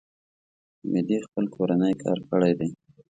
حمیدې خپل کورنی کار کړی دی.